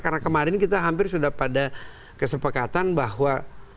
karena kemarin kita hampir sudah pada kesepakatan bahwa